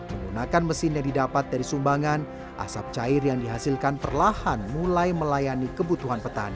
menggunakan mesin yang didapat dari sumbangan asap cair yang dihasilkan perlahan mulai melayani kebutuhan petani